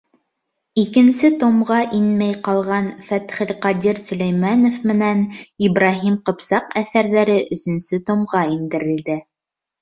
Икенсе томға инмәй ҡалған Фәтхелҡадир Сөләймәнов менән Ибраһим Ҡыпсаҡ әҫәрҙәре өсөнсө томға индерелде.